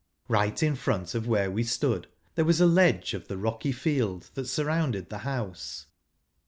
Right in front of where we stood, there was a ledge of the rocky field that surrounded the house.